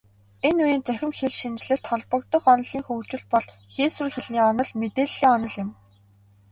Энэ үеийн цахим хэлшинжлэлд холбогдох онолын хөгжил бол хийсвэр хэлний онол, мэдээллийн онол юм.